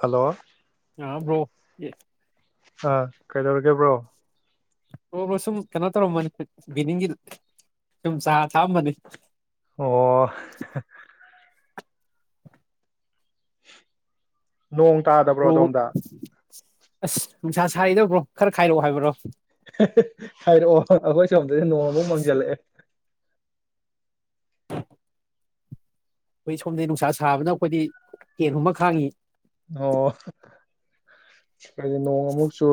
hello ꯑꯥꯕ꯭ꯔꯣ ꯑ ꯀꯩꯗꯧꯔ ꯕ꯭ꯔꯣ ꯑꯣ ꯁꯨꯝ ꯀꯩꯅꯣ ꯇꯧꯔꯝꯕꯅꯤ ꯕꯤꯅꯤꯡꯒꯤ ꯁꯨꯝ ꯆꯥ ꯊꯛꯑꯝꯕꯅꯤ ꯑꯣ [unintelligible] ꯅꯣꯡ ꯇꯥꯗꯕ꯭ꯔꯣ ꯕ꯭ꯔꯣꯕꯨ ꯑꯗꯣꯝꯗ ꯑꯁ ꯅꯨꯡꯁꯥ ꯁꯥꯔꯤꯗꯧꯕ꯭ꯔꯣ ꯈꯔ ꯈꯥꯏꯔꯛꯑꯣ ꯍꯥꯏꯕ꯭ꯔꯣ ꯍꯥꯏꯔꯛꯑꯣ ꯑꯩꯈꯣꯏ ꯁꯣꯝꯗꯁꯨ ꯅꯣꯡꯃꯨꯛ ꯃꯪꯁꯤꯜꯂꯛꯑꯦ ꯑꯩꯈꯣꯏ ꯁꯣꯝꯗ ꯅꯨꯡꯁꯥ ꯁꯥꯕꯅ ꯑꯩꯈꯣꯏꯗꯤ ꯀꯦꯟꯒꯨꯝꯕ ꯈꯥꯡꯉꯤ ꯑꯣ ꯍꯥꯏꯗꯤ ꯅꯣꯡꯃꯨꯛꯁꯨ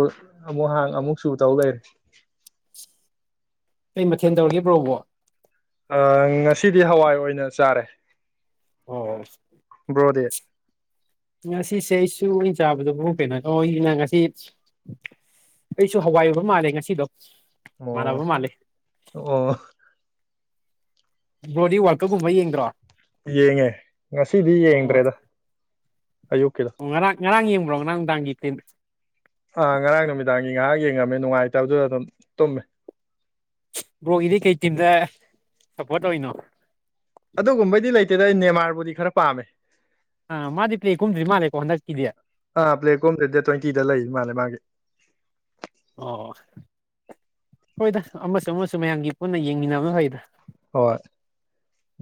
ꯑꯃꯨꯛ ꯍꯥꯡ ꯑꯃꯨꯛ ꯁꯨ ꯇꯧ ꯂꯩ ꯀ ꯃꯊꯦꯜ ꯇꯧꯔꯒꯦꯕ꯭ꯔꯣꯕꯣ ꯑ ꯉꯁꯤꯗꯤ ꯍꯋꯥꯏ ꯑꯣꯏꯅ ꯆꯥꯔꯦ ꯍꯣꯏꯣꯏ ꯇꯗꯦ ꯉꯁꯤꯁꯦ ꯑꯩꯁꯨ ꯑꯣꯏꯅ ꯆꯥꯕꯗꯣ ꯐ ꯀꯩꯅꯣꯅ ꯉꯁꯤ ꯑꯩꯁꯨ ꯍꯋꯥꯏ ꯑꯣꯏꯕ ꯃꯥꯜꯂꯦ ꯉꯁꯤꯗꯣ ꯑꯣ ꯃꯥꯟꯅꯕ ꯃꯥꯜꯂꯦ ꯑꯣ ꯒ꯭ꯂꯣꯔꯤ ꯋꯥꯔꯀꯔꯒꯨꯝꯕ ꯌꯦꯡꯗ꯭ꯔꯣ ꯌꯦꯡꯉꯦ ꯉꯁꯤꯗꯤ ꯑꯣ ꯌꯦꯡꯗ꯭ꯔꯦꯗ ꯑꯌꯨꯛꯀꯤꯗꯣ ꯑꯣ ꯉꯔꯥꯡ ꯉꯔꯥꯡ ꯌꯦꯡꯕ꯭ꯔꯣ ꯉꯔꯥꯡ ꯅꯨꯡꯗꯥꯡꯒꯤ ꯇꯤꯟ ꯑ ꯉꯥꯡ ꯅꯨꯃꯤꯠꯇꯡꯉꯉꯥꯡꯦꯉ ꯇꯃꯦ ꯅꯨꯡꯉꯥꯏꯇꯕꯗꯨꯗ ꯑꯗꯨꯝ ꯇꯨꯝꯃꯦ ꯕ꯭ꯔꯣꯒꯤꯗꯤꯩ ꯀꯩ ꯇꯤꯝꯗ ꯁꯞꯄꯣꯔꯠ ꯇꯧꯔꯤꯅꯣ ꯑꯗꯒꯨꯝꯕꯗꯤ ꯂꯩꯥꯏ ꯁꯤꯗ ꯑꯩ ꯅꯦꯃꯥꯔꯕꯨꯗꯤ ꯈꯔ ꯄꯥꯝꯃꯦ ꯑꯥ ꯃꯥꯗꯤ ꯄ꯭ꯂꯦ ꯀꯨꯝꯗ꯭ꯔꯤ ꯃꯥꯜꯂꯦꯀꯣ ꯍꯟꯗꯛꯀꯤꯗꯤ ꯑꯥ ꯄ꯭ꯂꯦ ꯀꯣꯝꯗ ꯗꯦꯠ ꯇ꯭ꯋꯦꯟꯇꯤꯗ ꯂꯩ ꯃꯥꯜꯂ ꯃꯥꯒꯤ ꯑꯣ ꯍꯣꯏꯗ ꯑꯃꯁꯨ ꯑꯃꯁꯨ ꯃꯌꯥꯝꯒꯤ ꯄꯨꯟꯅ ꯌꯦꯡꯃꯤꯟꯅꯕꯈꯩꯗ ꯍꯣꯏ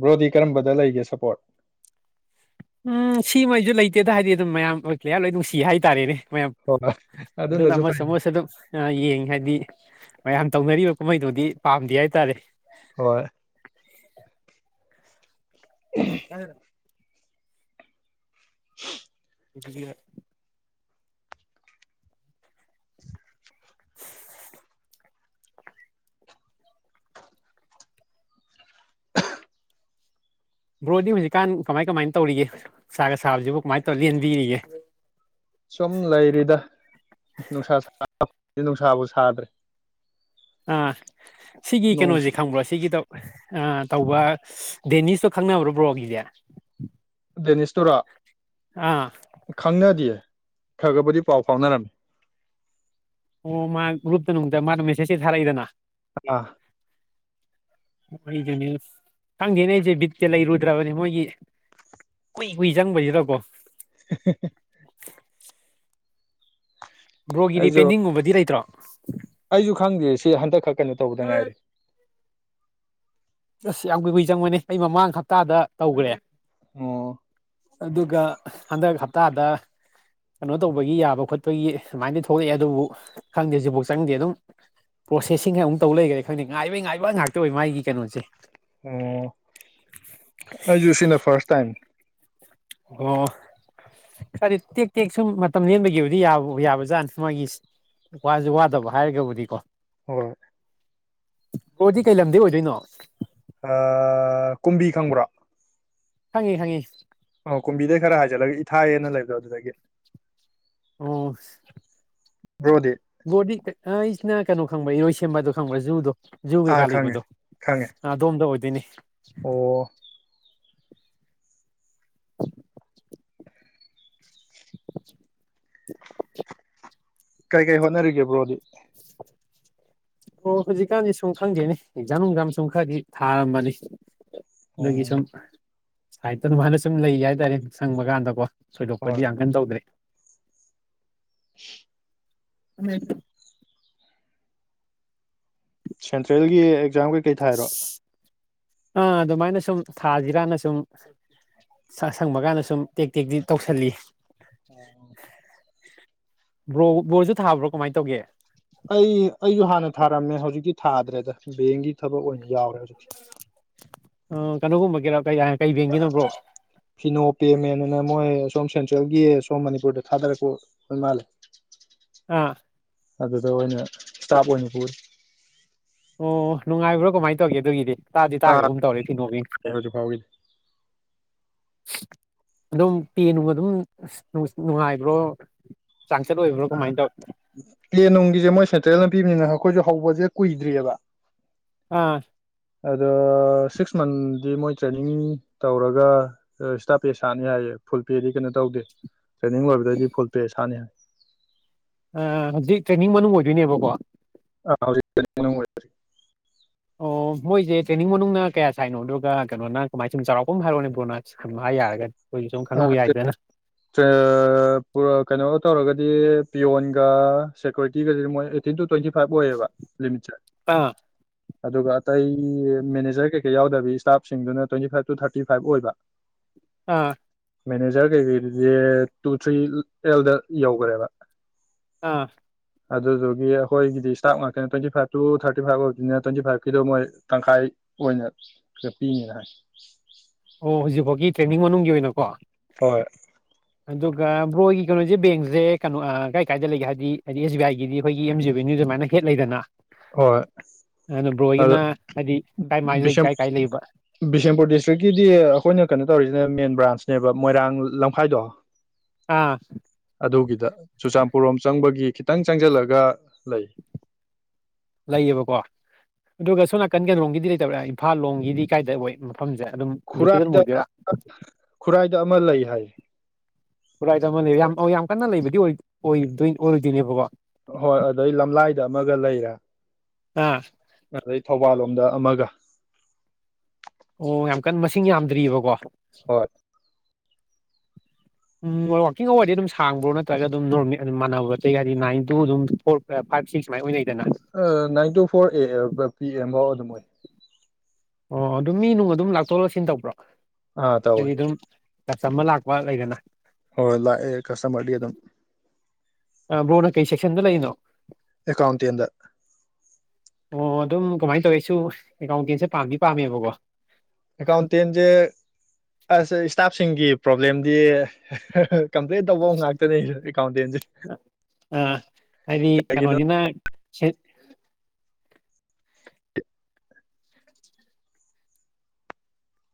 ꯕ꯭ꯔꯣꯗꯤ ꯀꯔꯝꯕꯗ ꯂꯩꯒꯦ ꯁꯞꯄꯣꯔꯠ ꯎꯝ ꯁꯤꯃꯉꯩꯁꯨ ꯂꯩꯇꯦꯗ ꯍꯥꯏꯗꯤ ꯑꯗꯨꯝ ꯃꯌꯥꯝ ꯑꯣꯏ ꯄ꯭ꯂꯦꯌꯥꯔ ꯂꯣꯏ ꯅꯨꯡꯁꯤ ꯍꯥꯏꯇꯥꯔꯦꯅꯦ ꯃꯌꯥꯝ ꯍꯣꯏ ꯑꯗꯨꯅ ꯑꯗꯨꯅꯁꯨ ꯑꯃꯁꯨ ꯐꯩ ꯑꯃꯁꯨ ꯑꯗꯨꯝ ꯑ ꯌꯦꯡ ꯍꯥꯏꯗꯤ ꯃꯌꯥꯝ ꯇꯧꯅꯔꯤꯕ ꯀꯨꯝꯍꯩꯗꯨꯗꯤ ꯄꯥꯝꯗꯦ ꯍꯥꯏꯇꯥꯔꯦ ꯍꯣꯏ [unintelligible] [inaudible] [unintelligible] [inaudible] [inaudible] ꯕ꯭ꯔꯣꯗꯤ ꯍꯧꯖꯤꯛꯀꯥꯟ ꯀꯃꯥꯏ ꯀꯃꯥꯏꯅ ꯇꯧꯔꯤꯒꯦ ꯅꯨꯡꯁꯥꯒ ꯁꯥꯕꯁꯤꯕꯨ ꯀꯃꯥꯏꯅ ꯇꯧꯔ ꯂꯦꯟꯕꯤꯔꯤꯒꯦ ꯁꯨꯝ ꯂꯩꯔꯤꯗ ꯅꯨꯡꯁꯥ ꯁꯥ ꯗꯤ ꯅꯨꯡꯁꯥꯕꯨ ꯁꯥꯗ꯭ꯔꯦ ꯑꯥ ꯁꯤꯒꯤ ꯀꯩꯅꯣꯁꯦ ꯅꯣꯡꯁꯨ ꯈꯪꯕ꯭ꯔꯣ ꯁꯤꯒꯤꯗꯣ ꯑꯥ ꯇꯧꯕ ꯗꯦꯅꯤꯁꯇꯣ ꯈꯪꯅꯕ꯭ꯔꯣ ꯕ꯭ꯔꯣꯒꯤꯁꯦ ꯗꯦꯅꯤꯁ ꯇꯨꯔꯥ ꯑꯥ ꯈꯪꯅꯗꯤꯌꯦ ꯈꯒꯕꯨꯗꯤ ꯄꯥꯎ ꯐꯥꯎꯅꯔꯝꯃꯤ ꯑꯣ ꯃꯥ ꯒ꯭ꯔꯨꯞꯇ ꯅꯨꯡꯗ ꯃꯥꯗꫭ ꯃꯦꯁꯦꯖ ꯍꯦꯛ ꯊꯥꯔꯛꯏꯗꯅ ꯑꯥ ꯁꯅꯦ ꯈꯪꯗꯦꯅꯦ ꯑꯩꯁꯦ ꯕꯤꯠꯇꯠꯇ ꯂꯩꯔꯨꯗ꯭ꯔꯕꯅꯦ ꯃꯣꯏꯒꯤ ꯀꯨꯏ ꯀꯨꯏ ꯆꯪꯕꯁꯤꯗꯀꯣ ꯕ꯭ꯔꯣꯒꯤꯗꯤ ꯑꯩꯁꯨ ꯄꯦꯟꯗꯤꯡꯒꯨꯝꯕꯗꯤ ꯂꯩꯇ꯭ꯔꯣ ꯑꯩꯁꯨ ꯈꯪꯗꯦ ꯁꯤ ꯍꯟꯗꯛ ꯈꯛ ꯀꯩꯅꯣ ꯇꯧꯕꯗ ꯉꯥꯏꯔꯤ ꯑꯁ ꯌꯥꯝ ꯀꯨꯏ ꯀꯨꯏ ꯆꯪꯕꯅꯦ ꯑꯩ ꯃꯃꯥꯡ ꯍꯞꯇꯥꯗ ꯇꯧꯈ꯭ꯔꯦ ꯑꯣ ꯑꯗꯨꯒ ꯍꯟꯗꯛ ꯍꯞꯇꯥꯗ ꯀꯩꯅꯣ ꯇꯧꯕꯒꯤ ꯌꯥꯕ ꯈꯣꯠꯄꯒꯤ ꯑꯗꯨꯃꯥꯏꯅꯗꯤ ꯊꯣꯛꯂꯛꯑꯦ ꯑꯗꯨꯕꯨ ꯈꯪꯗꯦ ꯍꯧꯖꯤꯐꯥꯎ ꯆꯪꯗꯦ ꯑꯗꯨꯝ ꯄ꯭ꯔꯣꯁꯦꯁꯤꯡ ꯍꯥꯏꯅ ꯑꯃꯨꯛ ꯇꯧ ꯂꯩꯈꯔꯦ ꯈꯪꯗꯦ ꯉꯥꯏꯕꯩ ꯉꯥꯏꯕ ꯉꯥꯛꯇ ꯑꯣꯏ ꯃꯥꯒꯤ ꯀꯩꯅꯣꯁꯦ ꯑꯣ ꯑꯩꯁꯨꯨ ꯁꯤꯅ ꯐꯥꯔꯁ ꯇꯥꯏꯝ ꯑꯣ ꯈꯔꯗꯤ ꯇꯦꯛ ꯇꯦꯛ ꯁꯨꯝ ꯃꯇꯝ ꯂꯦꯟꯕꯒꯤꯕꯨꯗꯤ ꯌꯥ ꯌꯥꯕ ꯖꯥꯠ ꯃꯥꯒꯤ ꯋꯥꯁꯨ ꯋꯥꯗꯕ ꯍꯥꯏꯔꯒꯕꯨꯗꯤꯀꯣ ꯍꯣꯏ ꯕ꯭ꯔꫭꯗꯤ ꯀꯩ ꯂꯝꯗꯩ ꯑꯣꯏꯗꯣꯏꯅꯣ ꯑ ꯀꯨꯝꯕꯤ ꯈꯪꯕ꯭ꯔꫭ ꯈꯪꯉꯤ ꯈꯪꯉꯤ ꯑꯣ ꯀꯨꯝꯕꯤꯗꯩ ꯈꯔ ꯍꯥꯏꯖꯜꯂꯒ ꯏꯊꯥꯏ ꯑꯅ ꯂꯩꯕꯗꯣ ꯑꯗꯨꯗꯒꯤ ꯑꯣ ꯕ꯭ꯔꯣꯗꯤ ꯕꫭꯔꯗꯤ ꯑ ꯑꯩꯁꯤꯅ ꯀꯩꯅꯣ ꯈꯪꯕ꯭ꯔꯥ ꯏꯔꯣꯏ ꯁꯦꯝꯕꯗꯣ ꯈꯪꯕ꯭ꯔꯥ ꯖꯨꯗꯣ ꯖꯨ ꯑꯥ ꯀꯩꯀꯥ ꯈꯪꯉꯦ ꯂꯩꯕꯗꯣ ꯈꯪꯉꯦ ꯑꯗꯣꯝꯗ ꯑꯣꯏꯗꯣꯏꯅꯦ ꯑꯣ [inaudible] ꯀꯩ ꯀꯩ ꯍꯣꯠꯅꯔꯤꯒꯦ ꯕ꯭ꯔꯣꯗꯤ ꯑꯣ ꯍꯧꯖꯤꯛꯀꯥꯟꯗꯤ ꯁꯨꯝ ꯈꯪꯗꯦꯅꯦ ꯑꯦꯛꯖꯥꯝ ꯅꯨꯡꯖꯥꯝ ꯁꯨꯝ ꯈꯔꯗꯤ ꯊꯥꯔꯝꯃꯅꯤ ꯑꯗꯨꯒꯤ ꯑꯣ ꯁꯝ ꯁꯥꯏꯠꯇ ꯑꯗꯨꯃꯥꯏꯅ ꯁꯨꯝ ꯂꯩꯒꯦ ꯍꯥꯏꯇꯥꯔꯦ ꯁꯪꯕ ꯀꯥꯟꯗꯀꯣ ꯍꯣꯏ ꯊꯣꯏꯗꯣꯛꯄꯗꯤ ꯌꯥꯝꯀꯟ ꯇꯧꯗ꯭ꯔꯦ [inaudible] ꯎꯝ ꯁꯦꯟꯇ꯭ꯔꯦꯜꯒꯤ ꯏꯛꯆꯥꯡ ꯀꯩꯀꯩ ꯊꯥꯏꯔꯣ ꯑꯥ ꯑꯗꯨꯃꯥꯏꯅ ꯁꯨꯝ ꯊꯥꯁꯤꯔꯥꯟꯅ ꯁꯨꯝ ꯁ ꯁꯪꯕ ꯀꯥꯟꯗ ꯁꯨꯝ ꯇꯦꯛ ꯇꯦꯛꯇꯤ ꯇꯧꯁꯜꯂꯤ ꯑꯣꯝ ꯕ꯭ꯔꯣ ꯕꯣꯔꯁꯨ ꯊꯥꯕ꯭ꯔꯣ ꯀꯃꯥꯏꯅ ꯇꯧꯒꯦ ꯑꯩ ꯑꯩꯁꯨ ꯍꯥꯟꯅ ꯊꯥꯔꯝꯃꯦ ꯍꯧꯖꯤꯛꯇꯤ ꯊꯥꯗ꯭ꯔꯦꯗ ꯕꯦꯡꯒꯤ ꯊꯕꯛ ꯑꯣꯏꯅ ꯌꯥꯎꯔꯦ ꯍꯧꯖꯤꯛꯇꯤ ꯑ ꯀꯟꯅꯣ ꯒꯨꯝꯕꯒꯤꯔꯣ ꯀꯩ ꯍꯥꯏ ꯀꯩ ꯌꯦꯡꯒꯤꯅꯣ ꯕ꯭ꯔꯣ ꯐꯤꯅꯣ ꯄꯦꯃꯦꯟꯅ ꯃꯣꯏ ꯁꯣꯝ ꯁꯦꯟꯇ꯭ꯔꯦꯜꯒꯤ ꯁꯣꯝ ꯃꯅꯤꯄꯨꯔꯗ ꯊꯥꯗꯔꯛꯄ ꯑꯣꯏ ꯃꯥꯜꯂꯦ ꯑꯥ ꯑꯗ ꯑꯣꯏꯅ ꯏꯁꯇꯥꯞ ꯑꯣꯏꯅ ꯄꯨꯔꯤ ꯑꯣ ꯅꯨꯡꯉꯥꯏꯕ꯭ꯔꯣ ꯀꯃꯥꯏꯅ ꯇꯧꯒꯦ ꯑꯗꯨꯒꯤꯗꯤ ꯇꯥꯗꯤ ꯇꯥꯗ꯭ꯔꯦ ꯇꯥꯒ꯭ꯔꯒꯨꯝ ꯇꯧꯔꯦ ꯐꯤꯅꯣꯒꯤ ꯍꯧꯖꯤꯛ ꯐꯥꯎꯒꯤꯗꯤ ꯑꯗꯨꯝ ꯇꯦꯅꯨ ꯑꯗꯨꯝ ꯅꯨꯡꯉꯥꯏꯕ꯭ꯔꯣ ꯆꯥꯡꯆꯠ ꯑꯣꯏꯕ꯭ꯔꯣ ꯀꯃꯥꯏꯅ ꯇꯧ ꯄ꯭ꯂꯦꯟ ꯅꯨꯡꯒꯤꯁꯦ ꯃꯣꯏ ꯁꯦꯟꯇ꯭ꯔꯦꯜꯅ ꯄꯤꯕꯅꯤꯅ ꯑꯩꯈꯣꯏꯁꯨ ꯍꯧꯕꯁꯦ ꯀꯨꯏꯗ꯭ꯔꯤꯑꯕ ꯑꯥ ꯑꯗꯣ ꯁꯤꯛꯁ ꯃꯟꯗꯤ ꯃꯣꯏ ꯇ꯭ꯔꯦꯅꯤꯡ ꯇꯧꯔꯒ ꯏꯁꯇꯥꯞ ꯄꯦ ꯁꯥꯅꯤ ꯍꯥꯏꯌꯦ ꯐꯨꯜ ꯄꯦꯗꯤ ꯀꯩꯅꯣ ꯇꯧꯗꯦ ꯇ꯭ꯔꯦꯅꯤꯡ ꯂꯣꯏꯕꯗꯩꯗꯤ ꯐꯨꯜ ꯄꯦ ꯁꯥꯅꯤ ꯍꯥꯏ ꯑ ꯍꯧꯖꯤꯛ ꯇ꯭ꯔꯦꯟꯅꯤꯡ ꯃꯅꯨꯡ ꯑꯣꯏꯗꯣꯏꯅꯦꯕꯀꯣ ꯑ ꯍꯧꯖꯤꯛ ꯇ꯭ꯔꯦꯟꯅꯤꯡ ꯃꯅꯨꯡ ꯑꯣꯢꯗꯣꯢꯅꯦ ꯑꯣ ꯃꯣꯏꯁꯦ ꯇ꯭ꯔꯦꯅꯤꯡ ꯃꯅꯨꯡꯅ ꯀꯌꯥ ꯁꯥꯏꯅꯣ ꯑꯗꯨꯒ ꯀꯩꯅꯣꯅ ꯀꯃꯥꯏ ꯁꯨꯝ ꯆꯥꯎꯔꯥꯛꯄ ꯍꯥꯏꯔꯣꯅꯦ ꯕꯣꯅꯅꯥꯠꯁ ꯈꯟꯕ ꯍꯥꯏ ꯌꯥꯔꯒꯅꯤ [unintelligible] ꯄꯨ ꯀꯩꯅꯣ ꯇꯧꯔꯒ ꯄꯤꯌꯣꯟꯒ ꯁꯦꯀꯌꯨꯔꯤꯇꯤꯒ ꯃꯣꯏ ꯇ ꯇ꯭ꯋꯦꯟꯇꯤ ꯐꯥꯏꯚ ꯑꯣꯏꯌꯦꯕ ꯂꯤꯃꯤꯠꯁꯦ ꯑꯥ ꯑꯗꯨꯒ ꯑꯇꯩ ꯃꯦꯅꯦꯖꯔ ꯀꯩꯀꯩ ꯌꯥꯎꯗꯕꯤ ꯏꯁꯇꯥꯞꯁꯤꯡꯗꯨꯅ twenty five to thirty five ꯑꯣꯏꯕ ꯑꯥ ꯃꯦꯅꯦꯖꯔ ꯀꯩꯀꯩꯗꯨꯗꯤ ꯇꯨ ꯊ꯭ꯔꯤ ꯑꯦꯜꯗ ꯌꯧꯈꯔꯦꯕ ꯑꯥ ꯑꯗꯨꯗꯨꯒꯤ ꯑꯩꯈꯣꯏꯒꯤꯗꯤ ꯏꯁꯇꯥꯐ ꯉꯥꯛꯇꯅꯦ twenty five to thirty five ꯑꯣꯏꯕꯗꯨꯅꯤꯅ ꯇ꯭ꯋꯦꯟꯇꯤ ꯐꯥꯏꯚꯀꯤꯗꯣ ꯃꯣꯏ ꯇꯪꯈꯥꯏ ꯑꯣꯏꯅ ꯈ ꯄꯤꯅꯤꯅ ꯍꯥꯏ ꯑꯣ ꯍꯧꯖꯤꯛꯐꯥꯎꯒꯤ ꯇ꯭ꯔꯦꯟꯅꯤꯡ ꯃꯅꯨꯡꯒꯤ ꯑꯣꯏꯅꯀꯣ ꯍꯣꯏ ꯑꯗꯨꯒ ꯕ꯭ꯔꯣꯒꯤ ꯀꯩꯅꯣꯁꯦ ꯕꯦꯡꯁꯦ ꯀꯩꯅꯣ ꯀꯥꯏ ꯀꯥꯏꯗ ꯂꯩꯒꯦ ꯍꯥꯏꯕꯗꯤ ꯍꯥꯏꯗꯤ ꯑꯦꯁ ꯕꯤ ꯑꯥꯏꯒꯤꯗꯤ ꯑꯩꯈꯣꯏꯒꯤ ꯑꯦꯝ ꯖꯤ ꯕꯦꯅ꯭ꯌꯨ ꯁ ꯑꯗꯨꯃꯥꯏꯅ ꯍꯦꯠ ꯂꯩꯗꯅ ꯍꯣꯏ ꯑꯗꯨꯅ ꯑꯣꯗꯨ ꯕ꯭ꯔꯣꯍꯣꯏꯒꯤꯅ ꯍꯥꯏꯗꯤ ꯀꯥꯏ ꯃꯥꯏ ꯂꯩ ꯀꯥꯏ ꯀꯥꯏ ꯂꯩꯕ ꯕꯤꯁꯦꯝꯄꯨꯔ ꯗꯤꯁꯇ꯭ꯔꯤꯛꯀꯤꯗꯤ ꯑꯩꯈꯣꯏꯅ ꯀꯩꯅꯣ ꯇꯧꯔꯤꯁꯤꯅ ꯃꯦꯟ ꯭ꯕꯔꯥꯟꯁꯅꯦꯕ ꯃꯣꯏꯔꯥꯡ ꯂꯝꯈꯥꯏꯗꯣ ꯑꯥ ꯑꯗꯨꯒꯤꯗ ꯆꯨꯔꯆꯥꯟꯄꯨꯔꯣꯝ ꯆꯪꯕꯒꯤ ꯈꯤꯇꯪ ꯆꯪꯁꯤꯜꯂꯒ ꯂꯩ ꯂꯩꯌꯦꯕꯀꯣ ꯑꯗꯨꯒ ꯁꯣꯝ ꯅꯥꯀꯟ ꯀꯂꯣꯝꯒꯤꯗꯤ ꯂꯩꯇꯕ꯭ꯔꯥ ꯏꯝꯐꯥꯜ ꯂꯣꯝꯒꯤꯗꯤ ꯀꯥꯏꯗ ꯑꯣꯏ ꯃꯐꯝꯁꯦ ꯑꯗꯨꯝ ꯍꯧꯖꯤꯛꯀꯤ ꯑꯗꯨꯝ ꯈꯨꯔꯥꯏꯗ ꯑꯣꯏꯗꯣꯏꯔꯥ ꯈꯨꯔꯥꯏꯗ ꯑꯃ ꯂꯩ ꯍꯥꯏ ꯄꯨꯔꯥꯏ ꯂꯩ ꯌꯥꯝ ꯌꯥꯝ ꯀꯅ ꯂꯩꯕ ꯑꯣꯏꯗꯣꯏ ꯑꯣꯏꯔꯣꯏꯗꯣꯏꯅꯦꯕꯕꯕꯥ ꯍꯣꯏ ꯑꯗꯩ ꯂꯝꯂꯥꯏꯗ ꯑꯃꯒ ꯂꯩꯔꯦ ꯑꯥ ꯑꯗ ꯊꯧꯕꯥꯜꯣ ꯌꯗ ꯑꯃꯒ ꯑꯣ ꯌꯥꯝ ꯀꯟ ꯃꯁꯤꯡ ꯌꯥꯝꯗ꯭ꯔꯤꯑꯀꯣ ꯍꯣꯏ ꯎꯝ ꯋꯥꯋꯥꯛꯀꯤꯡ ꯑꯋꯥꯔꯗꯤ ꯑꯗꯨꯝ ꯁꯥꯡꯕ꯭ꯔꯣ ꯅꯠꯇ꯭ꯔꯒ ꯑꯗꯨꯝ ꯅꯃꯦ ꯑꯗꯨꯝ ꯃꯥꯟꯅꯕ ꯑꯇꯩꯒꯗꯤ ꯅꯥꯏꯟ ꯇꯨ ꯑꯗꯨꯝ ꯐꯣꯔ ꯐꯥꯏꯚ ꯁꯤꯛ ꯁꯨꯃꯥꯏꯅ ꯑꯣꯏꯅꯩ ꯅꯥꯏꯟ ꯇꯨ ꯐꯣꯔ ꯑꯦ ꯄꯤ ꯁꯣꯏ ꯑꯣ ꯑꯗꯨꯣ ꯃꯤ ꯅꯨꯡ ꯑꯗꯨꯝ ꯂꯥꯛꯊꯣꯛ ꯂꯥꯛꯁꯤꯟ ꯇꯧꯕ꯭ꯔꯣ ꯑꯥ ꯇꯧꯋꯦ ꯑꯗꯨꯝ ꯀꯆ ꯑꯃ ꯂꯥꯛꯄ ꯂꯩꯗꯅ ꯍꯣꯏ ꯂꯥꯛꯑ ꯀꯁ ꯃ ꯑꯗꯨꯝ ꯑ ꯕ꯭ꯔꯣꯅ ꯀꯩ ꯁꯦꯛꯁꯟꯗ ꯂꯩꯔꯤꯅꯣ ꯑꯦꯀꯥꯥꯎꯇꯤꯗ ꯑꯣ ꯑꯗꯨꯝ ꯀꯃꯥꯏꯅ ꯇꯧꯋꯦꯁꯨ ꯑꯦꯀꯥꯎꯟꯇꯦꯟꯁꯦ ꯄꯥꯝꯗꯤ ꯄꯥꯝꯃꯦꯕꯀꯣ ꯍꯀꯟ ꯇꯦꯟꯖꯦꯁ ꯏꯁꯇꯥꯐꯁꯤꯡꯤ ꯄ꯭ꯔꯣꯕ꯭ꯂꯦꯝꯗꯤ ꯀꯝꯄ꯭ꯂꯦꯟ ꯇꯧꯕ ꯉꯥꯛꯇꯅꯦꯁꯨ ꯑ ꯍꯥꯏꯗꯤ ꯀꯩꯒꯤꯅꯣ ꯀꯩꯅꯣꯅꯤꯅ ꯆꯠ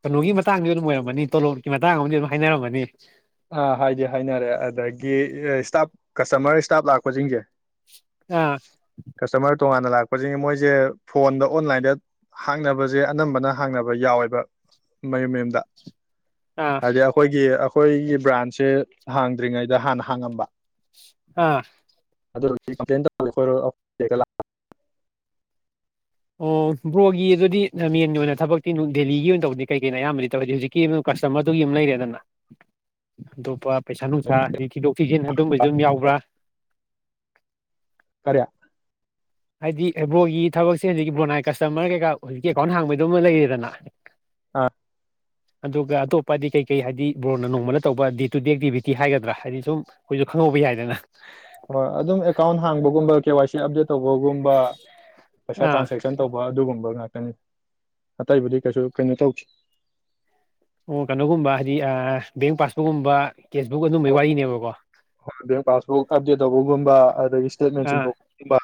ꯀꯩꯅꯣꯒꯤ ꯃꯇꯥꯡꯗꯤ ꯑꯗꯨꯝ ꯑꯣꯏꯔꯝꯃꯅꯤ ꯇꯣꯂꯣꯞꯀꯤ ꯃꯇꯥꯡ ꯑꯃꯗꯤ ꯑꯗꯨꯝ ꯍꯥꯏꯅꯔꯝꯃꯅꯤ ꯑꯥ ꯍꯥꯏꯗꯤ ꯍꯥꯏꯅꯔꯦ ꯑꯗꯒꯤ ꯏꯁꯇꯥꯞ ꯀꯁꯇꯃꯔ ꯏꯁꯇꯥꯞ ꯂꯥꯛꯄꯁꯤꯡꯁꯦ ꯑꯥ ꯀꯁꯇꯃꯔ ꯇꯣꯉꯥꯟꯅ ꯂꯥꯛꯄꯁꯤꯡ ꯃꯣꯏꯁꯦ ꯐꯣꯟꯗ ꯑꯣꯟꯂꯥꯏꯟꯗ ꯍꯥꯡꯅꯕꯁꯦ ꯑꯅꯝꯕꯅ ꯍꯥꯡꯅꯕ ꯌꯥꯎꯋꯦꯕ ꯃꯌꯨꯝ ꯃꯌꯨꯝꯗ ꯑꯥ ꯍꯥꯏꯗꯤ ꯑꯩꯈꯣꯏꯒꯤ ꯍꯈꯣꯏꯒꯤ ꯕ꯭ꯔꯥꯟꯁꯦ ꯍꯥꯡꯗ꯭ꯔꯤꯉꯩꯗ ꯍꯥꯟꯅ ꯍꯥꯡꯉꯝꯕ ꯑꯥ ꯑꯗꯨ ꯀꯝꯄ꯭ꯂꯦꯟ ꯇꯧꯈꯣꯏ ꯑꯣ ꯕ꯭ꯔꯣꯒꯤ ꯑꯗꯨꯗꯤ ꯃꯦꯟꯒꯤ ꯑꯣꯏꯅ ꯊꯕꯛꯇꯤ ꯗꯦꯜꯂꯤꯒꯤ ꯑꯣꯏꯅ ꯇꯧꯕꯗꯤ ꯀꯩ ꯀꯩꯅꯣ ꯑꯌꯥꯝꯕꯗꯤ ꯇꯧꯋꯗꯤ ꯍꯧꯖꯤꯛꯀꯤ ꯀꯁꯇꯃꯔꯗꯨꯒꯤ ꯑꯃ ꯂꯩꯔꯦꯗꯅ ꯑꯇꯣꯞꯄ ꯄꯩꯁꯥ ꯅꯨꯡꯁꯥꯗꯤ ꯊꯤꯗꯣꯛ ꯐꯤꯖꯤꯟ ꯑꯗꯨꯝꯕꯁꯨ ꯑꯗꯨꯝ ꯌꯥꯎꯕ꯭ꯔꯥ ꯀꯔꯌꯥ ꯍꯥꯏꯗꯤ ꯑꯦꯕꯣꯒꯤ ꯊꯕꯛꯁꯦ ꯍꯧꯖꯤꯛ ꯕꯣꯅꯥꯏ ꯀꯁꯇꯃꯔ ꯀꯩꯀꯥ ꯍꯧꯖꯤꯛꯀꯤ ꯑꯦꯀꯥꯎꯟ ꯍꯥꯡꯕꯩꯗꯧꯃ ꯂꯩꯔꯦꯗꯅ ꯑꯥ ꯑꯗꯨꯒ ꯑꯇꯣꯞꯄ ꯍꯥꯏꯗꯤ ꯀꯩꯀꯩ ꯍꯥꯏꯗꯤ ꯕ꯭ꯔꯣꯟꯅ ꯅꯣꯡꯃꯅ ꯇꯧꯕ ꯗꯦ ꯇꯨ ꯗꯦ ꯑꯦꯛꯇꯤꯚꯤꯇꯤ ꯍꯥꯏꯒꯗ꯭ꯔꯥ ꯍꯥꯏꯗꯤ ꯁꯨꯝ ꯑꯩꯈꯣꯏꯁꯨ ꯈꯪꯍꯧꯕ ꯌꯥꯏꯗꯅ ꯍꯣꯏ ꯑꯗꯨꯝ ꯑꯦꯀꯥꯎꯟ ꯍꯥꯡꯕꯒꯨꯝꯕ ꯋꯥꯁꯤꯦ ꯇꯧꯕꯒꯨꯝꯕ ꯄꯩꯁꯥ ꯑꯥ ꯇ꯭ꯔꯥꯟꯁꯦꯛꯁꯟ ꯇꯧꯕ ꯑꯗꯨꯒꯨꯝꯕ ꯉꯥꯛꯇꯅꯤ ꯑꯇꯩꯕꯨꯗꯤ ꯀꯩꯁꯨ ꯀꯩꯅꯣ ꯇꯧꯁꯤ ꯑꯣ ꯀꯩꯅꯣꯒꯨꯝꯕ ꯍꯥꯏꯗꯤ ꯕꯦꯡ ꯄꯥꯁꯕꯨꯛꯀꯨꯝꯕ ꯍꯣꯏ ꯄꯥꯁꯕꯨ ꯀꯥꯖꯦ ꯇꯧꯕꯒꯨꯝꯕ ꯑꯗꯒꯤ ꯏꯁꯇꯦꯠꯃꯦꯟ ꯑꯥ ꯆꯤꯡꯊꯣꯛꯄꯒꯨꯝꯕ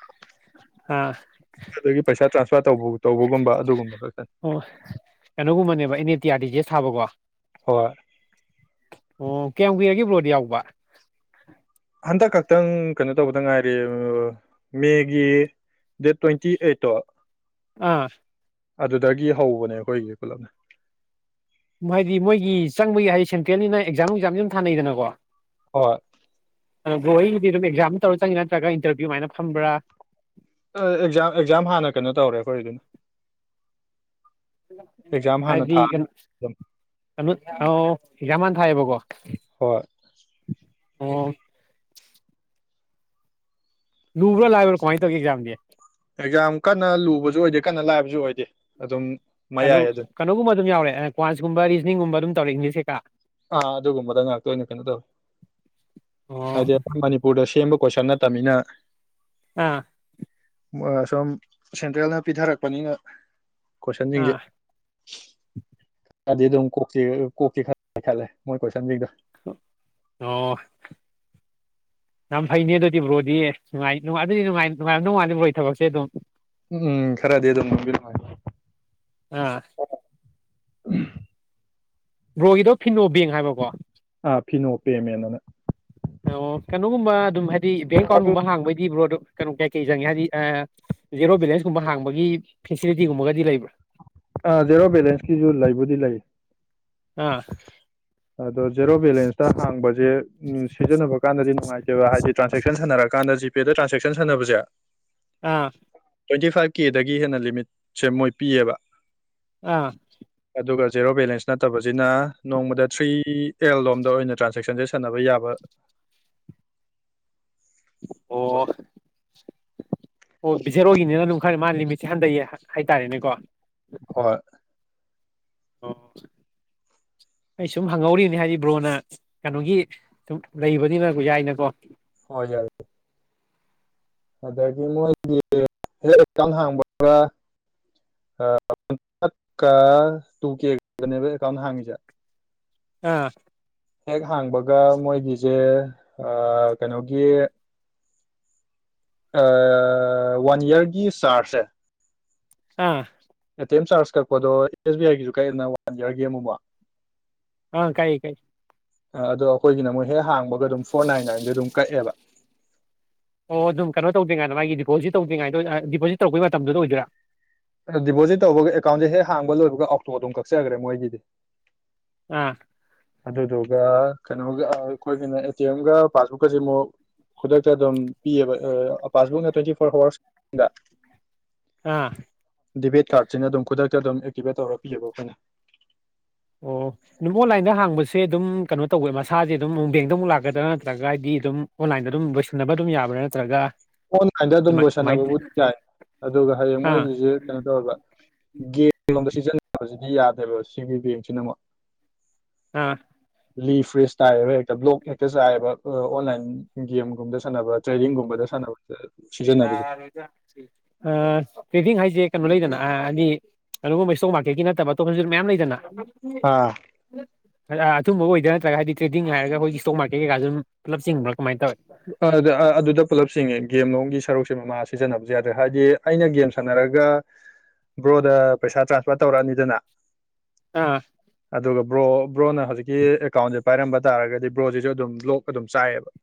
ꯑꯥ ꯑꯗꯒꯤ ꯄꯩꯁꯥ ꯇ꯭ꯔꯥꯟꯁꯐꯔ ꯇꯧꯕꯒꯨꯝꯕ ꯑꯗꯨꯒꯨꯝꯕ ꯈꯛꯇꯅꯤ ꯇꯤꯌꯥꯔꯤꯁꯦ ꯁꯥꯕꯀꯣ ꯍ ꯑꯣ ꯀꯌꯥꯝ ꯀꯏꯔꯒꯦ ꯕ꯭ꯔꯣꯗꯤ ꯌꯥꯎꯕ ꯍꯟꯗꯛ ꯈꯛꯇꯪ ꯀꯩꯅꯣ ꯇꯧꯕꯗ ꯉꯥꯏꯔꯤꯦ ꯃꯦꯒꯤ ꯗꯦꯠ ꯇ꯭ꯋꯦꯟꯇꯤ ꯑꯩꯠꯇꯣ ꯑꯥ ꯑꯗꯨꯗꯒꯤ ꯍꯧꯕꯅꯦ ꯑꯩꯈꯣꯏꯒꯤ ꯄꯨꯂꯞꯅꯦ ꯍꯥꯏꯗꯤ ꯃꯣꯏꯒꯤ ꯆꯪꯕꯒꯤ ꯍꯥꯏꯗꯤ ꯁꯦꯟꯇ꯭ꯔꯦꯜꯅꯤꯅ ꯑꯦꯛꯖꯥꯝ ꯋꯛꯖꯥꯝꯁꯨ ꯌꯥꯝꯝ ꯊꯥꯅꯩꯗꯅꯀꯣ ꯍ ꯑꯣ ꯒꯣ ꯑꯩꯒꯤꯗꯤ ꯑꯗꯨꯝ ꯑꯦꯛꯖꯥꯝ ꯇꯧꯔ ꯆꯪꯉꯦ ꯅꯠꯇ꯭ꯔꯒ ꯏꯟꯇꯔꯚꯤꯌꯨꯃꯥꯏꯅ ꯐꯝꯕ꯭ꯔꯥ ꯑꯦꯛꯖꯥꯝ ꯑꯦꯛꯖꯥꯝ ꯍꯥꯟꯅ ꯀꯩꯅꯣ ꯇꯧꯔꯦ ꯑꯩꯈꯣꯏ ꯑꯗꯨꯅ ꯍꯥꯏꯗꯤ ꯀ ꯑꯗꯨꯝ ꯀ ꯑꯖꯃꯥꯟ ꯍꯥꯏꯥꯏꯕ ꯀꯣ ꯍ ꯑꯣ ꯂꯨꯕ꯭ꯔꯣ ꯂꯥꯏꯕ꯭ꯔꯣ ꯀꯣꯍꯥꯏ ꯇꯧ ꯀꯖ ꯌꯥꯝꯗꯦ ꯨ ꯑꯣꯏꯗꯦ ꯑꯗꯨꯝ ꯀꯩꯅꯣ ꯃꯌꯥꯏ ꯑꯗꯨꯝ ꯀꯩꯅꯣꯒꯕ ꯑꯗꯨꯝ ꯌꯥꯎꯔꯦꯩꯅ ꯀ꯭ꯟꯁꯀꯨꯝꯕ ꯔꯤꯖꯅꯤꯡꯒꯕ ꯑꯗꯨꯝ ꯇꯧꯔꯦ ꯏꯪꯂꯤꯁ ꯇ ꯑꯥ ꯑꯗꯨꯒꯨꯝꯕꯗ ꯉꯥꯛꯇ ꯑꯣꯏꯅ ꯀꯩꯅꯣ ꯇꯧꯋꯤ ꯑꯣ ꯍꯥꯏꯗꯤ ꯑꯩꯣꯏ ꯃꯅꯤꯄꯨꯔꯗ ꯁꯦꯝꯕ ꯀꯣꯏꯁꯟ ꯅꯠꯇꯕꯅꯤꯅ ꯑꯥ ꯁꯨꯝ ꯁꯦꯟꯇ꯭ꯔꯦꯜꯅ ꯄꯤꯊꯔꯛꯄꯅꯤꯅ ꯀꯣꯏꯁꯟꯁꯤꯡꯁꯦ ꯑꯥ ꯀꯗꯤ ꯀ ꯀꯣ ꯈ ꯂꯩꯈꯦ ꯃꯣꯏ ꯀꯣꯏꯁꯥ ꯗꯣ ꯑꯣ ꯌꯥꯝ ꯐꯩꯅꯦ ꯑꯗꯨꯗꯤ ꯕ꯭ꯔꯣꯗꯤꯅꯨꯡꯉꯥꯏ ꯑꯗꯨꯗꯤꯉꯥꯏꯅꯨꯡꯥꯏ ꯅꯣꯡꯉꯥꯜꯂꯤꯕ꯭ꯔꯣ ꯊꯕꯛꯁꯦ ꯑꯗꯨꯝ ꯎꯝ ꯈꯔꯗꯤ ꯑꯗꯨꯝ ꯉꯕꯤꯔ ꯎꯝ ꯑꯥ ꯕ꯭ꯔꯣꯒꯤꯗꯣ ꯐꯤꯅꯣ ꯕꯦꯡ ꯍꯥꯏꯕꯀꯣ ꯑꯥ ꯐꯤꯅꯣ ꯄꯦꯃꯦꯟ ꯑꯅ ꯑꯣ ꯀꯩꯅꯣꯒꯨꯝꯕ ꯑꯗꯨꯝ ꯍꯥꯏꯗꯤ ꯕꯦꯡ ꯑꯗꯨ ꯑꯦꯀꯥꯎꯟꯒꯨꯝꯕ ꯍꯥꯡꯕꯩꯗꯤꯕ꯭ꯔꯣꯗ ꯀꯩꯅꯣ ꯀꯌꯥ ꯀꯩ ꯆꯪꯉꯦ ꯍꯥꯏꯗꯤ ꯖꯦꯔꯣ ꯕꯦꯂꯦꯟꯁ ꯀꯨꯝꯕ ꯍꯥꯡꯕꯒꯤ ꯐꯦꯁꯤꯂꯤꯇꯤꯒꯨꯝꯕꯒꯗꯤ ꯂꯩꯕ꯭ꯔꯥ ꯑ ꯖꯦꯔꯣ ꯕꯦꯂꯦꯟꯁꯀꯤꯁꯨ ꯂꯩꯕꯨꯗꯤ ꯂꯩ ꯑꯥ ꯑꯗꯣ ꯖꯦꯔꯣ ꯕꯦꯂꯦꯟꯁꯇ ꯍꯥꯡꯕꯁꯦ ꯁꯤꯖꯤꯟꯅꯕ ꯀꯥꯟꯗꯗꯤ ꯅꯨꯡꯉꯥꯏꯇꯦꯕ ꯍꯥꯏꯗꯤ ꯇ꯭ꯔꯥꯟꯁꯦꯛꯁꯟ ꯁꯥꯟꯅꯔꯀꯥꯟꯗ ꯖꯤꯄꯦꯗ ꯇ꯭ꯔꯥꯟꯁꯦꯛꯁꯟ ꯁꯥꯟꯅꯕꯁꯦ ꯑꯥ ꯇ꯭ꯋꯦꯟꯇꯤ ꯐꯥꯏꯚ ꯀꯦꯗꯒꯤ ꯍꯦꯟꯅ ꯂꯤꯃꯤꯠꯁꯦ ꯃꯣꯏ ꯄꯤꯌꯦꯕ ꯑꯥ ꯑꯗꯨꯒ ꯖꯦꯔꯣ ꯕꯦꯂꯦꯟꯁ ꯅꯠꯇꯕꯁꯤꯅ ꯅꯣꯡꯃꯗ ꯊ꯭ꯔꯤ ꯑꯦꯜ ꯂꯣꯝꯗ ꯑꯣꯏꯅ ꯇ꯭ꯔꯥꯟꯖꯦꯛꯁꯟꯁꯦ ꯁꯥꯟꯅꯕ ꯌꯥꯕ ꯑꯣ ꯑꯣꯏ ꯑꯣ ꯕꯤꯖꯦꯔꯣꯏꯒꯤꯅꯤꯅ ꯑꯗꯨꯝ ꯈꯔ ꯃꯥꯅ ꯂꯤꯃꯤꯠꯁꯦ ꯍꯟꯊꯩꯑꯦ ꯍꯥꯏꯇꯥꯔꯦꯅꯦꯀꯣ ꯍꯣꯏ ꯑꯣ ꯑꯩ ꯁꯨꯝ ꯍꯪꯍꯧꯔꯤꯅꯤ ꯍꯥꯏꯗꯤ ꯕ꯭ꯔꯣꯅ ꯀꯩꯅꯣꯒꯤ ꯁꯨꯝ ꯂꯩꯕꯅꯤꯅ ꯌꯥꯏꯅꯀꯣ ꯍꯣꯏ ꯌꯥꯏ ꯑꯗꯒꯤ ꯃꯣꯏꯒꯤ ꯍꯦꯛ ꯑꯦꯀꯥꯎꯟ ꯍꯥꯡꯕꯒꯀ ꯇꯨ ꯀꯦꯕꯅꯦꯕ ꯑꯦꯀꯥꯎꯟ ꯍꯥꯡꯉꯤꯁꯦ ꯑꯥ ꯍꯦꯛ ꯍꯥꯡꯕꯒ ꯃꯣꯏꯒꯤꯁꯦ ꯑ ꯀꯩꯅꯣꯒꯤ ꯑ ꯋꯥꯟ ꯏꯌꯥꯔꯒꯤ ꯆꯔꯖꯦ ꯑꯥ ꯦꯝ ꯆꯥꯔꯖ ꯀꯛꯄꯗꯣ ꯑꯦꯁ ꯕꯤ ꯑꯥꯏꯒꯤꯁꯨ ꯀꯥꯏꯗꯅ ꯋꯥꯟ ꯏꯌꯔꯒꯤ ꯑꯃꯨꯛ ꯑꯥ ꯀꯥꯛꯏ ꯀꯥꯛꯏ ꯑ ꯑꯗꯣ ꯑꯩꯈꯣꯏꯒꯤꯅ ꯑꯃꯨꯛ ꯍꯦꯛ ꯍꯥꯡꯕꯒ ꯑꯗꯨꯝ ꯐꯣꯔ ꯅꯥꯏꯟ ꯅꯥꯏꯟꯗ ꯑꯗꯨꯝ ꯀꯛꯑꯦꯕ ꯑꯣ ꯑꯗꯨꯝ ꯀꯩꯅꯣ ꯇꯧꯗꯔ꯭ꯤ ꯀꯥꯟꯗ ꯃꯥꯒꯤ ꯗꯤꯄꯣꯖꯤꯠ ꯇꯧ ꯉꯥꯏꯗ ꯗꯤꯄꯣꯖꯤꯠ ꯇꯧꯔꯛꯄꯩ ꯃꯇꯝꯗꯨꯗ ꯑꯣꯏꯗꯣꯏꯔꯥ ꯑꯗꯣ ꯗꯤꯄꯣꯖꯤꯠ ꯇꯧꯕꯒ ꯑꯦꯀꯥꯎꯟꯁꯦ ꯍꯦꯛ ꯍꯥꯡꯕ ꯂꯣꯏꯕꯒ ꯑꯣꯛꯇꯣ ꯑꯗꯨꯝ ꯀꯛꯆꯈ꯭ꯔꯦ ꯃꯣꯏꯒꯤꯗꯤ ꯑꯥ ꯑꯗꯨꯗꯨꯒ ꯀꯩꯅꯣꯒ ꯑꯩꯈꯣꯏꯒꯤꯅ ꯑꯦ ꯇꯤ ꯑꯦꯝꯒ ꯄꯥꯁꯕꯨꯛꯀꯁꯤ ꯑꯃꯨꯛ ꯈꯨꯗꯛꯇ ꯑꯗꯨꯝ ꯄꯤꯌꯦꯕꯥ ꯄꯥꯁꯕꯨꯛ ꯅ ꯇꯣꯏꯇꯤ [inaudible] ꯑꯥ ꯗꯦꯕꯤꯠ ꯀꯥꯔꯠꯁꯤꯅ ꯑꯗꯨꯝ ꯈꯨꯗꯛꯇ ꯑꯗꯨꯝ ꯑꯦꯛꯇꯤꯚꯦꯠ ꯇꯧꯔꯄꯤꯌꯦꯕ ꯑꯩꯈꯣꯏꯅ ꯑꯣ ꯑꯗꯨꯝ ꯑꯣꯟꯂꯥꯏꯟꯗ ꯍꯥꯡꯕꯁꯦ ꯑꯗꯨꯝ ꯀꯩꯅꯣ ꯇꯧꯕ ꯃꯁꯥꯁꯦ ꯑꯗꯨꯝ ꯕꯦꯡꯗ ꯑꯃꯨꯛ ꯂꯥꯛꯀꯗ꯭ꯔꯥ ꯅꯠꯇ꯭ꯔꯒ ꯍꯥꯏꯗꯤ ꯑꯗꯨꯝ ꯑꯣꯟꯂꯥꯏꯟꯗ ꯑꯗꯨꯝ ꯂꯣꯏꯁꯤꯟꯅꯕ ꯑꯗꯨꯝ ꯌꯥꯕ꯭ꯔꯥ ꯅꯠꯇ꯭ꯔꯒ ꯑꯣꯟꯂꯥꯏꯟꯗ ꯑꯗꯨꯝ ꯑꯗꯨꯃꯥꯏ ꯀꯃꯥꯏꯅ ꯂꯣꯏꯁꯟꯅꯕꯕꯨ ꯌꯥꯏ ꯑꯗꯨꯒ ꯍꯌꯦꯡ ꯑꯥ ꯃꯣꯏꯒꯤꯁꯤ ꯀꯩꯅꯣ ꯇꯧꯒ ꯒꯦꯝ ꯒꯨꯝꯕ ꯁꯤꯖꯤꯟꯅ ꯁꯤ ꯌꯥꯗꯦꯕ ꯁꯤꯒꯤ ꯕꯦꯝꯁꯤꯅꯃꯨꯛ ꯑꯥ ꯂꯤ ꯐ꯭ꯔꯦꯁ ꯇꯥꯏꯑꯕ ꯍꯦꯛꯇ ꯕ꯭ꯂꯣꯛ ꯍꯦꯛꯇ ꯆꯥꯏꯑꯕ ꯑꯣꯟꯂꯥꯏꯟ ꯒꯦꯝꯒꯨꯝꯗ ꯁꯥꯟꯅꯕ ꯇ꯭ꯔꯦꯅꯤꯡꯒꯨꯝꯗ ꯁꯥꯟꯅꯕꯅꯦ ꯑ ꯇꯔꯦꯗꯤꯡ ꯍꯥꯏ ꯁꯦ ꯂꯩꯗꯅ ꯍꯥꯏꯗꯤ ꯑꯗꯨꯒꯨꯝꯕ ꯏꯁꯇꯣꯛ ꯃꯥꯔꯀꯦꯠꯀꯤ ꯅꯠꯇꯕ ꯑꯇꯣꯞꯄꯁꯨ ꯃꯌꯥꯝ ꯂꯩꯗꯅ ꯑꯥ ꯎꯝ ꯑꯊꯨꯝꯕ ꯑꯣꯏꯗ ꯅꯠꯇ꯭ꯔꯒ ꯍꯥꯏꯗꯤ ꯇ꯭ꯔꯦꯗꯤꯡ ꯍꯥꯏꯔꯒ ꯑꯩꯈꯣꯏꯒꯤ ꯏꯁ꯭ꯇꯣꯛ ꯃꯥꯔꯀꯦꯠ ꯀꯩꯀꯥ ꯁꯨꯝ ꯄꯨꯂꯞ ꯆꯤꯡꯕ ꯑꯗ ꯑꯗꯨꯗ ꯄꯨꯜꯂꯞꯁꯤꯡꯦ ꯒꯦꯝ ꯂꯣꯝꯒꯤ ꯁꯔꯨꯛꯁꯦ ꯃꯃꯥ ꯁꯤꯖꯤꯟꯅꯕꯁꯨ ꯌꯥꯗ꯭ꯔꯦ ꯍꯥꯏꯗꯤ ꯑꯩꯅ ꯒꯦꯝ ꯁꯥꯟꯅꯔꯒ ꯕ꯭ꯔꯣꯗ ꯄꯩꯁꯥ ꯇ꯭ꯔꯥꯟꯁꯐꯔ ꯇꯧꯔꯛꯑꯅꯤꯗꯅ ꯑꯥ ꯑꯗꯨꯒ ꯕ꯭ꯔꯣ ꯕ꯭ꯔꯣꯅ ꯍꯧꯖꯤꯛꯀꯤ ꯑꯦꯀꯥꯎꯟꯁꯦ ꯄꯥꯏꯔꯝꯕ ꯇꯥꯔꯒꯗꯤ ꯕ꯭ꯔꯣꯁꯤꯁꯨ ꯑꯗꯨꯝ ꯂꯣꯛ ꯑꯗꯨꯝ ꯆꯥꯏꯑꯕ